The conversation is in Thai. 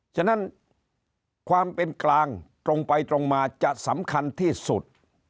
ฉะนั้นความเป็นกลางตรงไปตรงมาจะสำคัญที่สุด